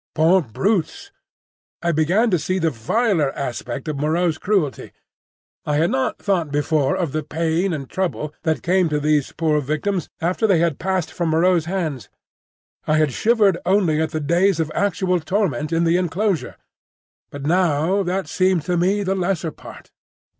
Poor brutes! I began to see the viler aspect of Moreau's cruelty. I had not thought before of the pain and trouble that came to these poor victims after they had passed from Moreau's hands. I had shivered only at the days of actual torment in the enclosure. But now that seemed to me the lesser part.